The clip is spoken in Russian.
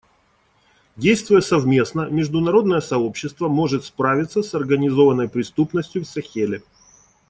Действуя совместно, международное сообщество может справиться с организованной преступностью в Сахеле.